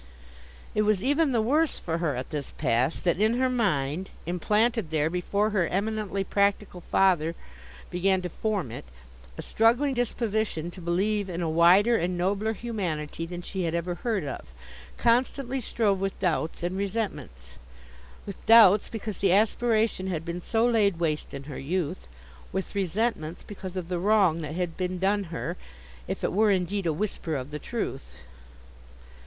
It was even the worse for her at this pass, that in her mind—implanted there before her eminently practical father began to form it—a struggling disposition to believe in a wider and nobler humanity than she had ever heard of, constantly strove with doubts and resentments. With doubts, because the aspiration had been so laid waste in her youth. With resentments, because of the wrong that had been done her, if it were indeed a whisper of the truth.